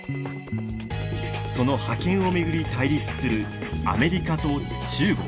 その覇権を巡り対立するアメリカと中国。